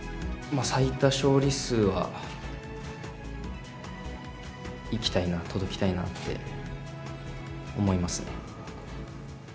最多勝利数はいきたいな、届きたいなって思います。